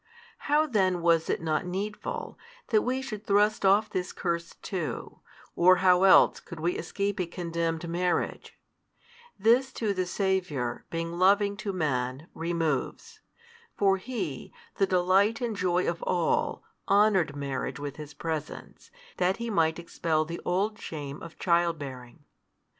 How then was it not needful that we should thrust off this curse too, or how else could we escape a condemned marriage? This too the Saviour, being loving to man, removes. For He, the Delight and Joy of all, honoured marriage with His Presence, that He might expel the old shame of child bearing.